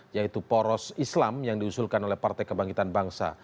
yaitu poros islam yang diusulkan oleh partai kebangkitan bangsa